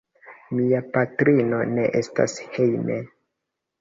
Mia patrino ne estas hejme.